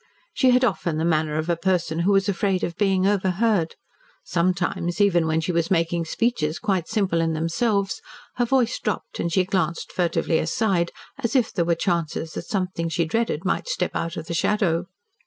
She had often the manner of a person who was afraid of being overheard; sometimes, even when she was making speeches quite simple in themselves, her voice dropped and she glanced furtively aside as if there were chances that something she dreaded might step out of the shadow.